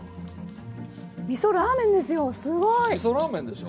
みそラーメンですよ